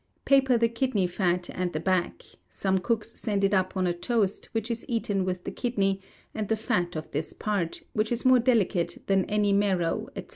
Paper the kidney fat, and the back: some cooks send it up on a toast, which is eaten with the kidney and the fat of this part, which is more delicate than any marrow, &c.